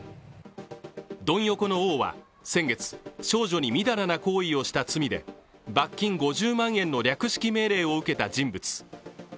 ドン横の王は先月、少女にみだらな行為をした罪で、罰金５０万円の略式命令を受けた人物。